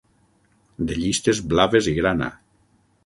De llistes blaves i grana.